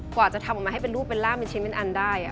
กว่าจะทำออกมาให้เป็นรูปเป็นร่ามเป็นชิ้นเป็นอันได้